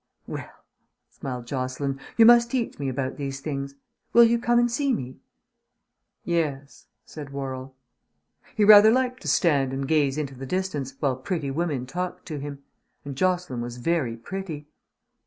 "Well," smiled Jocelyn, "you must teach me about these things. Will you come and see me?" "Yes," said Worrall. He rather liked to stand and gaze into the distance while pretty women talked to him. And Jocelyn was very pretty.